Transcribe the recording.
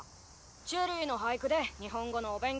チェリーの俳句で日本語のお勉強さ。